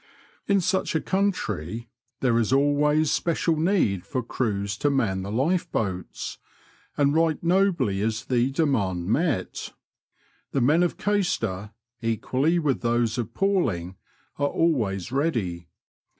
In such a country there is always special need for crews to man the lifeboats, and right nobly is the demand met. The men of Caister, equally with those of Palling, are always ready.